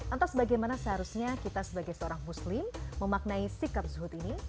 entah bagaimana seharusnya kita sebagai seorang muslim memaknai sikap zuhud ini